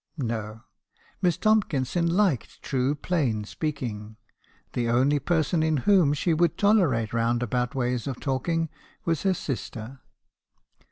No! Miss Tomkinson liked true plain speaking. The only person in whom she would tolerate round about ways of talking was her sister.